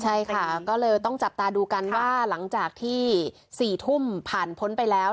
ใช่ค่ะก็เลยต้องจับตาดูกันว่าหลังจากที่๔ทุ่มผ่านพ้นไปแล้ว